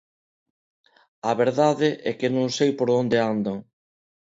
A verdade é que non sei por onde andan.